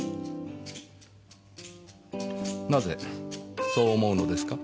なぜそう思うのですか？